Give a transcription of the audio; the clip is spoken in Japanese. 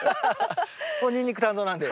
俺ニンニク担当なんで。